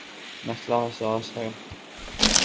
مسئلہ حساس ہے۔